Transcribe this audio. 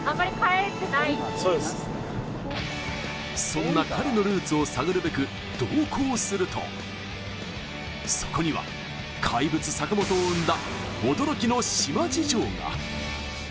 そんな彼のルーツを探るべく同行すると、そこには、怪物・坂本を生んだ驚きの島事情が！